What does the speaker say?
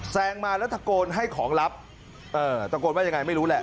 แซงมาแล้วตะโกนให้ของลับเออตะโกนว่ายังไงไม่รู้แหละ